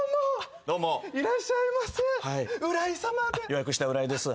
予約した浦井です。